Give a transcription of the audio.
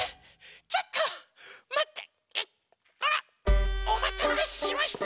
ちょっとまってほらおまたせしました。